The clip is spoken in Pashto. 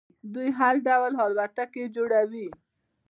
دوی هر ډول الوتکې جوړوي.